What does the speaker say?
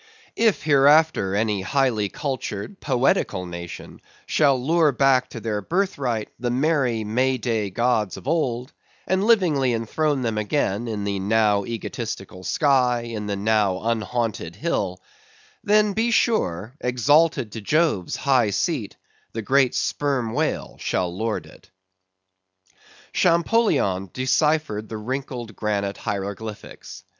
If hereafter any highly cultured, poetical nation shall lure back to their birth right, the merry May day gods of old; and livingly enthrone them again in the now egotistical sky; in the now unhaunted hill; then be sure, exalted to Jove's high seat, the great Sperm Whale shall lord it. Champollion deciphered the wrinkled granite hieroglyphics.